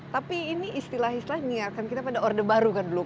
tapi ini istilah istilah niarkan kita pada orde baru kan dulu